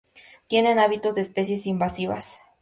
Tienen hábitos de especies invasivas.